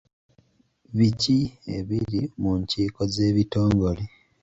Biki ebiri mu nkiiko z'ebitongole?